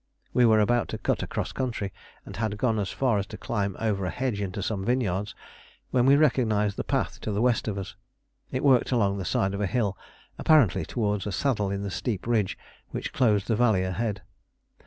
We were about to cut across country, and had gone as far as to climb over a hedge into some vineyards, when we recognised the path to the west of us. It worked along the side of a hill apparently towards a saddle in the steep ridge which closed the valley ahead.